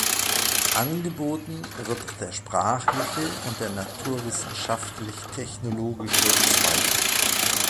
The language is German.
Angeboten wird der sprachliche und der naturwissenschaftlich-technologische Zweig.